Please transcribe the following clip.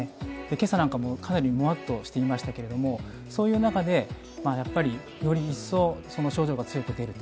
今朝なんかも、かなりもわっとしていましたけどそういう中で、より一層その症状が強く出る。